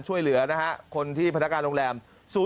ช่วยเหลือคนที่พนักการโรงแรม